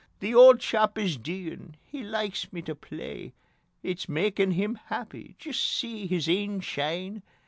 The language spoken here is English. The auld chap is deein'. He likes me tae play. It's makin' him happy. Jist see his een shine!"